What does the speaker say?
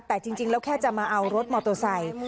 แต่จริงแล้วแค่จะมาเอารถมอเตอร์ไซค์